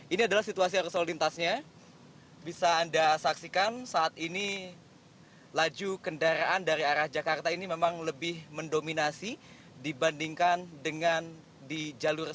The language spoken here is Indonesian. ini adalah situasi arus lalu lintasnya bisa anda saksikan saat ini laju kendaraan dari arah jakarta ini memang lebih mendominasi dibandingkan dengan di jalur